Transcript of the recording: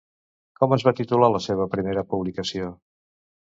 Com es va titular la seva primera publicació?